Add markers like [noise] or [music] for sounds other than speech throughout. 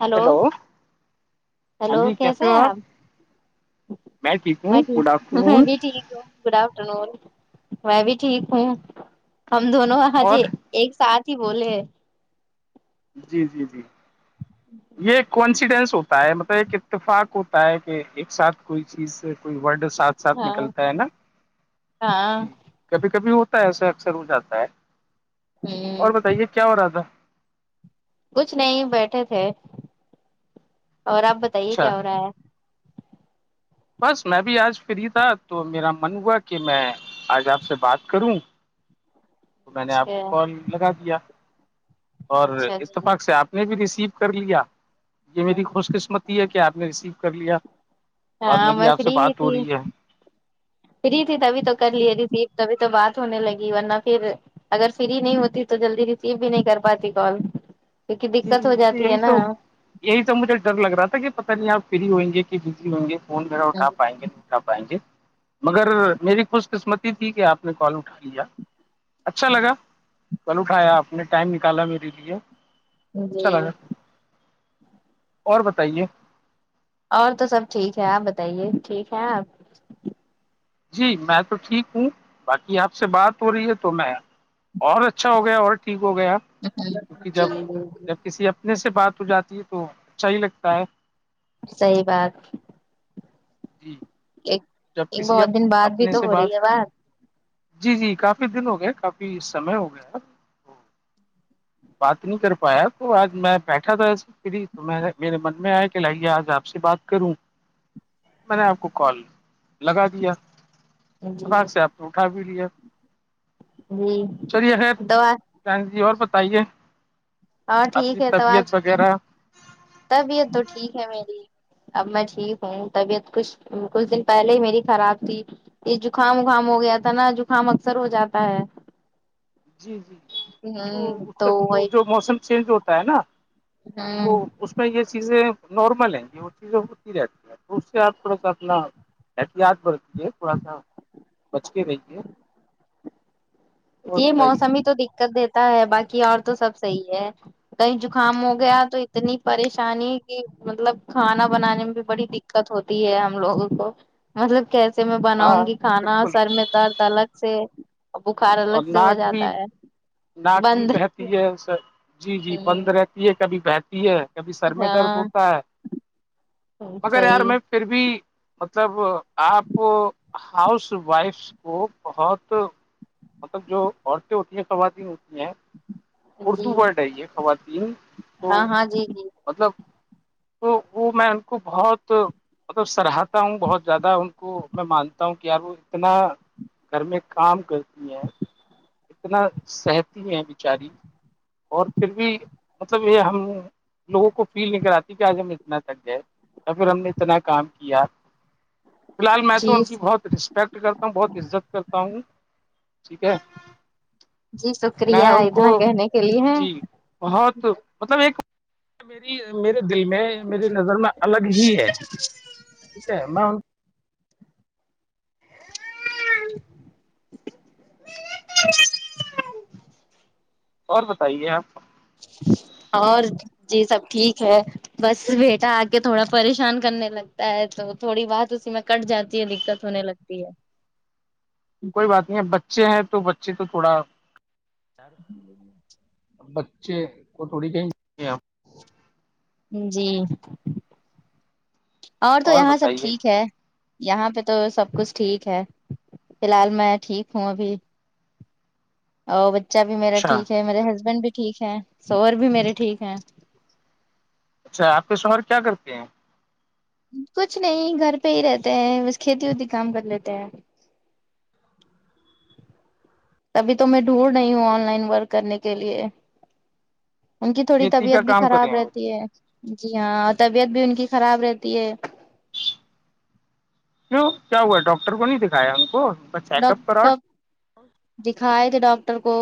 hello hello کیسے ہیں آپ ٹھیک میں ہوں گڈ ٹھیک آفٹر میں نون بھی ٹھیک گڈ آفٹر نون میں بھی ٹھیک ہوں ہم دونوں وہاں اور ج ایک ساتھ ہی بولے ہیں جی جی جی جی یہ ایک کانفیڈنس ہوتا ہے مطلب ایک اتفاق ہوتا ہے کہ ایک ساتھ کوئی چیز کوئی ورڈ ساتھ ساتھ ہاں نکلتا ہے نا ہاں جی کبھی کبھی ہوتا ہے ایسا اکثر ہو جاتا ہے اور ہوں بتائیے کیا ہو رہا تھا کچھ نہیں بیٹھے تھے اور آپ بتائیے اچھا کیا ہو رہا ہے بس میں بھی آج فری تھا تو میرا من ہوا کہ میں آج آپ سے بات کروں تو میں نے آپ کو اچھا کال لگا دیا اور اچھا جی اتفاق سے آپ نے بھی ریسیو کر لیا یہ میری خوش قسمتی یہ ہے کہ آپ نے ریسیو کر لیا اور ہاں میری میں آپ سے فری ہی بات ہو تھی رہی ہے فری تھی تبھی تو کر لیے ریسیو تبھی تو بات ہونے لگی ورنہ پھر اگر فری نہیں ہوتی تو جلدی ریسیو بھی نہیں کر پاتی کال کیونکہ جی دقت جی ہو مجھے جاتی ہے یہی نا تو یہی تو مجھے ڈر لگ رہا تھا کہ پتاہ نہیں آپ فری ہوئ گے کہ بزی ہوئ گے فون وغیرہ اٹھا پائیں گے نہیں پائیں گے مگر میری خوش قسمتی تھی کہ آپ نے کال اٹھا لیا اچھا لگا کل اٹھایا آپ نے ٹائم نکالا میرے لیے جی چل گا اور بتائیے اور تو سب ٹھیک ہے آپ بتائیے ٹھیک ہے آپ جی میں تو ٹھیک ہوں باقی آپ سے بات ہو رہی ہے تو میں اور اچھا ہو گیا اور ٹھیک ہو گیا کیونکہ جی جب جب کسی اب اتنے سے بات ہو جاتی ہے تو اچھا ہی لگتا ہے صحیح بات جی ایک جب ایک کسی بہت دن بعد بھی اپنے تو سے ہو رہی ہے بات جی جی کافی دن ہو گئے کافی سمے ہو گیا اب بات نہیں کر پایا تو آج میں بیٹھا تھا اس میں فری تو میں میرے من میں آیا کہ لائیے آج آپ سے بات کروں میں نے آپ کو کال لگا جی دیاق سے آپ نے اٹھا بھی لیا جی چلیے خیر تو ر جی اور بتائیے اور اپنی ٹھیک ہے تو آج طبیعت وغیرہ طبیعت تو ٹھیک ہے میری اب میں ٹھیک ہوں طبیعت کچھ کچھ دن پہلے ہی میری خراب تھی یہ زکام وکام ہو گیا تھا نا زکام اکثر ہو جاتا ہے جی جی تو ہ اس سے تو وہ جو موسم چینج ہوتا ہے نا تو ہاں اس یہ چیزیں نارمل ہیں یہ چیزیں ہوتی رہتی ہے تو اس سے آپ تھوڑا سا اپنا احتیاط برتیے تھوڑا سا بچ کے رہیے اور یہ بتائیے موسم ہی تو دقت دیتا ہے باقی اور تو سب صحیح ہے کہیں زکام ہو گیا تو اتنی پریشانی کہ مطلب کھانا بنانے میں بھی بڑی دق دقت ہوتی ہے ہم لوگوں کو مطلب کیسے سے میں ہاں بناؤں گی کھانا بالکل سر میں درد الگ سے فار اور الگ سے ہو ناک بھی جاتا ہے ناک بھی بند بہتی ہے جی جی ہوں بند رہتی ہے کبھی بہتی ہے کبھی سر میں درد ہاں ہوتا ہے مگر یار صحیح میں پھر بھی مطلب آپ ہاؤس وائف کو بہت مطلب جو عورتیں ہوتی ہیں خواتین ہوتی ہیں اردو جی ورڈ ہے یہ خواتین تو ہاں ہاں جی جی مطلب تو وہ میں ان کو بہت مطلب سراہاتتا ہوں بہت زیادہ ان کو میں مانتا ہوں کہ یار وہ اتنا گھر میں کام کرتی ہیں اتنا سہتی ہے بچاری اور پھر بھی مطلب یہ ہم لوگوں کو فیل نہیں کراتی کہ آج ہم اتنا تک گئے یا پھر ہم نے اتنا کام کیا فی الحال میں تو جی ان کی بہت رسک ٹ کرتا ہوں بہت عزت کرتا ہوں ٹھیک ہے جی میں شکریہ ان کو اتنا کہنے کے لیے جی بہت مطلب ایک میری میرے دل میں میری نظر میں الگ ہی ہے ٹھیک ہے میں ان ہ اور بتائیے آپ اور جی سب ٹھیک ہے بس بیٹا آ کے تھوڑا پریشان کرنے لگتا ہے تو تھوڑی بات اسی میں کٹ جاتی ہے دقت ہونے لگ ہے گگگ کوئی بات نہیں ہے بچے ہیں تو بچے تو تھوڑا اچے وہ تھوڑی کہیں جی اور تو یہاں سب ٹھیک ہے یہاں پہ تو سب کچھ ٹھیک ہے فی الحال میں ٹھیک ہوں ابھی اور بچہ بھی میرا اچھا ٹھیک ہے میرے ہسبینڈ بھی ٹھیک ہے سور بھی میرے ٹھیک ہے اچھا آپ کے شمر کیا کرتے ہیں کچھ نہیں گھر پہ ہی رہتے ہیں بس کھیتی وتی کام کر لیتے ہیں تبھی تو میں ڈھونڈ رہی ہوں آن لائن ورک کرنے کے لیے ان کی تھوڑی کھیتی طبیعت کا بھی کام کریں خراب ہیں رہتی ہے جی ہاں اور طبیعت بھی ان کی خراب رہتی ہے وں کیا ہوا ہے ڈاکٹر کو نہیں دکھایا ان کو کا چیک ڈب اپ کراؤ ڈپ دکھائے تھے ڈاکٹر کو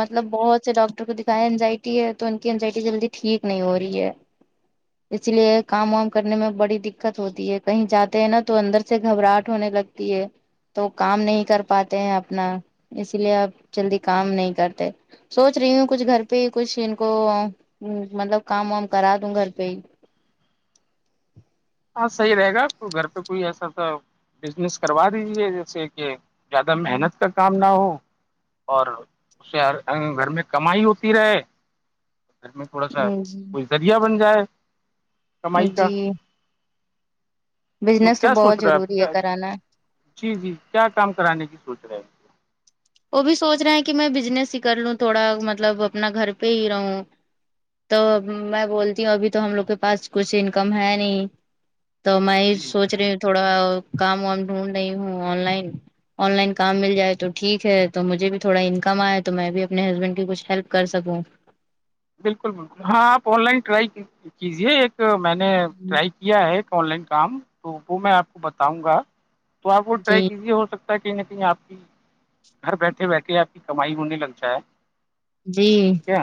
مطلب بہت سے ڈاکٹر کو دکھائے اینزائٹی ہے تو ان کی انینزائٹی جلدی ٹھیک نہیں ہو رہی ہے اس لیے کام وام کرنے میں بڑی دقت ہوتی ہے کہیں جاتے ہیں نا تو اندر سے گھبراہٹ ہونے لگتی ہے تو کام نہیں کر پاتے ہیں اپنا اسی لیے آپ جلدی کام نہیں کرتے سوچ رہی ہوں کچھ گھر پہ ہی کچھ ان کو مطلب کام وام کرا دوں گھر پہ ہی ہاں صحیح رہے گا آپ کو گھر پہ کوئی ایسا سا بزنس کروا دیجیے جیسے کہ زیادہ محنت کا کام نہ ہو اور اس سے گھر میں کمائی ہوتی رہے گھر میں تھوڑا سا ہوں جی کوئی ذریعہ بن جائے کمائی جی کا تو بزنس کیا سوچ بہت رہے ہے آپ ضروری کیا کرانا جی جی کیا کام کرانے کی سوچ رہے ہیں وہ بھی سوچ رہے ہیں کہ میں بزنس ہی کر لوں تھوڑا مطلب اپنا گھر پہ ہی رہوں تو میں بولتی ہوں ابھی تو ہم لوگ کے پاس کچھ انکم ہے نہیں تو میں یہ جی سوچ رہی ہ تھوڑا کام وام ڈھونڈ رہی ہوں آن لائن آن لائن کام مل جائے تو ٹھیک تو مجھے بھی تھوڑا انکم آئے تو میں بھی اپنے ہسبینڈ کی کچھ ہیلپ کر سکوں بالکل بالکل ہاں آپ آن لائن ٹرائی کیجیے ایک میں نے ٹرائی کیا ہے ایک آن لائن کام تو وہ میں آپ کو بتاؤں گا تو آپ وہ جی ٹرائ کیزی ہو سکتے کہیں نہ کہیں آپ کی گھر بیٹھے بیٹھے آپ کی کمائی ہونے لگ جائے جی کیا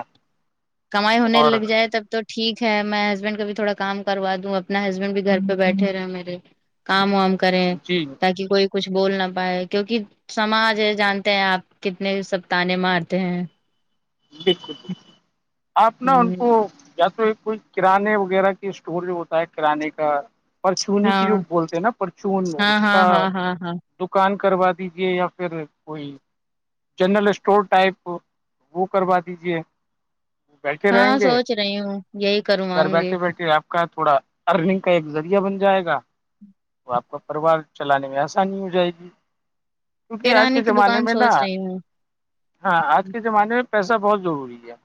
کمائی ہونے اور لگ جائے تب تو ٹھیک ہے میں ہسبینڈ کا بھی تھوڑا کام کروا دوں اپنا ہسبینڈ بھی گھر پہ بیٹھے رہے میرے کام وام کریں جی تاکہ کوئی کچھ بول نہ پائے کیونکہ سماج ہے جانتے ہیں آپ کتنے سپتان مارتے ہیں دیکو بال آپ ن ان کو ہ یا تو کوئی کرانے وغیرہ کے اسٹور جو ہوتا ہے کرانے کا پرچونی کی جو ہاں بولتے ہیں نا پرچون ہاں اس کا ہاں ہاں ہاں ہاں دکان کروا دیجیے یا پھر کوئی جنرل اسٹور ٹائپ وہ کروا دیجیے بیٹھے رہیں ہاں گے سوچ رہی ہوں یہی گھر کرواؤں گی بیٹھے بیٹھے آپ کا تھوڑا ارننگ کا ایک ذریعہ بن جائے گا تو آپ کا پروار چلانے میں آسانی ہو جائے گی کیونکہ آج کے کرانے کی زمانے دکان میں نا سوچ رہی ہوں ہاں آج کے زمانے میں پیسہ بہت ضروری ہے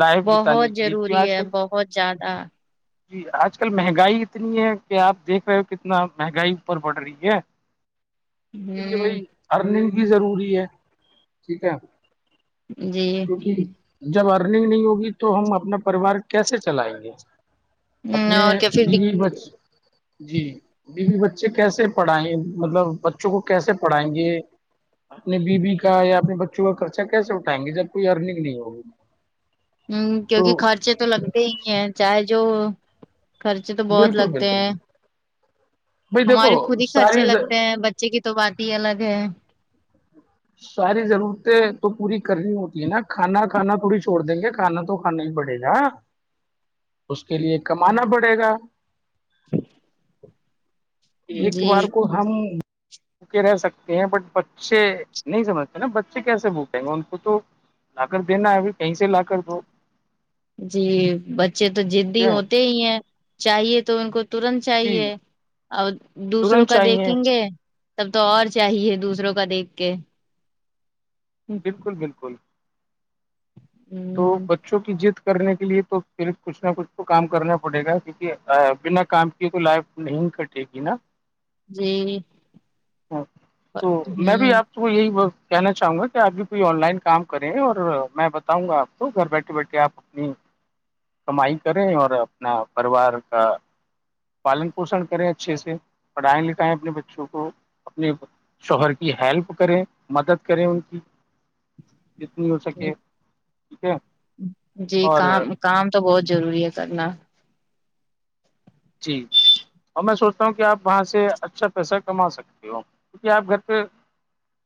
لائف بتانے بہت کی لیی کیوں ضروری آج ہے بہت زیادہ جی آج کل مہنگائی اتنی ہے کہ آپ دیکھ رہے ہو کتنا مہنگائی اوپر پڑ رہی ہے اس کے لیے ہ بھائی ارننگ بھی ضروری ہے ٹھیک ہے جی کیونکہ جب ارننگ نہیں ہوگی تو ہم اپنا پریوار کیسے چلائیں گے اپنے اور کیا پھر د بچ جی بیوی بچے کیسے پڑھائیں گے مطلب بچوں کو کیسے پڑھائیں گے اپنی بی بیی کا یا اپنے بچوں کا خرچہ کیسے اٹھائیں گے جب کوئی ارننگ نہیں ہوگی ہ کیونکہ تو خرچے تو لگتے ہی ہیں چاہے جو خرچے تو بہت بالکل لگتے بالکل ہیں بالکل بھائی دیکھو ہمارے خود ہی خرچے ساری لگتے ہیں بچے کی تو بات ہی الگ ہے ساری ضرورتیں تو پوری کرنی ہوتی ہے نا کھانا کھانا تھوڑی چھوڑ دیں گے کھانا تو کھانا ہی پڑے گا اس کے لیے کمانا پڑے گا [unintelligible] ایک جی بار کو ہم کے رہ سکتے ہیں بٹ بچے نہیں سمجھتے نا بچے کیسے بھوکیں گے ان کو تو لا کر دینا ہے ابھی کہیں سے لا کر دو جی بچے تو جدی ہوتے ہی ہیں چاہیے تو ان کو ترنت جی چاہیے اور دوسروں ترنت کا چاہیے دیکھیں گے تب تو اور چاہیے دوسروں کا دیکھ کے بالکل بالکل ہوں تو بچوں کی جیت کرنے کے لیے تو پھر کچھ نہ کچھ تو کام کرنا پڑے گا کیونکہ بنا کام تو لائف نہیں کٹے گی نا جی اچ تو میں ہ بھی آپ یہی کہنا چاہوں گا کہ آپ بھی کوئی آن لائن کام کریں اور میں بتا بؤں گا آپ کو گھر بیٹھے بیٹھے آپ اپنی کمائی کریں اور اپنا پریوار کا پالن پوشن کریں اچھے سے پڑھائیں لکھائیں اپنے بچوں کو اپنے شوہر کی ہیلپ کریں مدد کریں ان کی جتنی ہو سکے ٹھیک ہے جی اور کام کام تو بہت ضروری ہے کرنا جی اور میں سوچتا ہوں کہ آپ وہاں سے اچھا پیسہ کما سکتے ہو کیونکہ آپ گھر پہ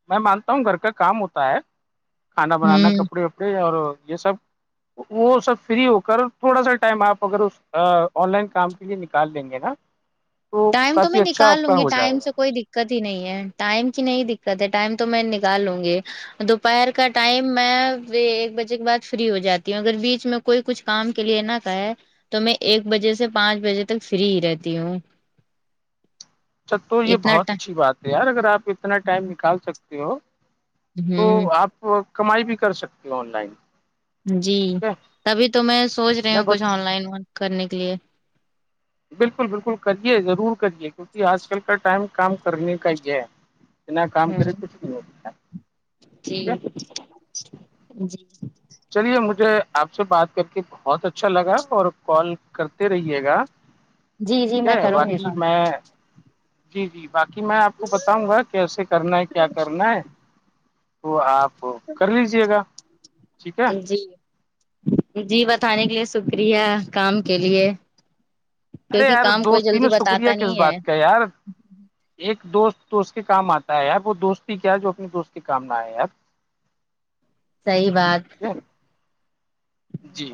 میں مانتا ہوں گھر کا کام ہوتا ہے کھانا بنانا ہ کپڑے وپڑے اور یہ سب وہ سب فری ہو کر تھوڑا سا ٹائم آپ اگر اس آن لائن کام لی نکال دیں گے نا تو ٹائم میں کافی اچھا نکال آپ لوں کا گی ہو ٹائم جائے گا سے کوئی دقت ہی نہیں ہے ٹائم کی نہیں دقت ہے ٹائم تو میں نکال لوں گی دوپہر کا ٹائم میں ایک بجے کے بعد فری ہو جاتی ہوں اگر بیچ میں کوئی کچھ کام کے لیے نہ کہے تو میں ایک بجے سے پانچ بجے تک فری ہی رہتی ہوں س تو یہ اتنا بہت اچھی بات ہے یار اگر آپ اتنا ٹائم نکال سکتے ہو ہوں وہ کمائی بھی کر سکتی ہو آن لائن جی ہے تبھی تو میں سوچ رہی میں ہوں بس کچھ آن لائن کرنے کے لیے بالکل بالکل کریے ضرور کریے کیونکہ آج کل کا ٹائم کام کرنے کا ہی ہے نا کام ہ کر کچھ د ہو جی جی چلیے مجھے آپ سے بات کر کے بہت اچھا لگا اور کال کرتے رہیے گا جی جی ٹھیک میں ہے کروں گی باقی کام میں جی جی باقی میں آپ کو بتاؤں گا کیسے کرنا ہے کیا کرنا ہے وہ آپ کر لیجیے گا ٹھیک ہے جی جی بتانے کے لیے شکریہ کام کے لیے ارے کیونکہ یار کام کوئی جلدی دوستینوں شکریہ بتاتا کس نہیں ہے بات کا یار ایک دوست دوست کے کام آتا ہے یار وہ دوستی کیا ہے جو اپنے دوست کے کام نہ آ ہے یار [unintelligible] صحی بات ٹھیک جی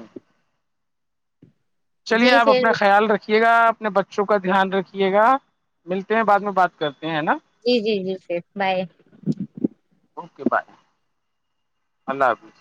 چلیے جی آپ پھر اپنا خیال رکھیے گا اپنے بچوں کا دھیان رکھیے گا ملتے ہیں بعد میں بات کرتے ہیں ہے نا جی جی جی پھر بائے اوکے بائے اللہ حافظ